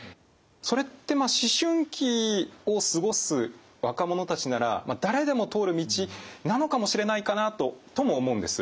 それってまあ思春期を過ごす若者たちなら誰でも通る道なのかもしれないかなととも思うんです。